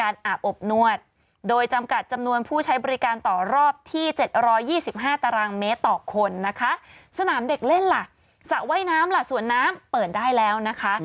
สนามเด็กเล่นล่ะสระว่ายน้ำล่ะสวนน้ำเปิดได้แล้วนะคะ